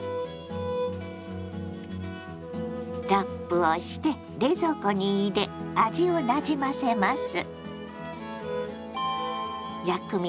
ラップをして冷蔵庫に入れ味をなじませます。